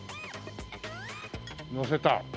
のせた。